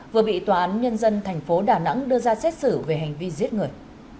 vừa bị tòa án nhân dân thành phố đà nẵng đưa ra xét xử về hành vi giết người